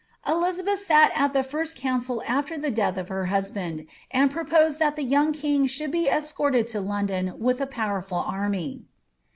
Elisabeth sat at the first council afler the death of her husband, and proposed that the young king should be escorted to London with a powerful army.